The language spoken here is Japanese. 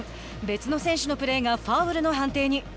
別の選手のプレーがファウルの判定に。